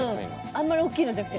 あんまり大きいのじゃなくて。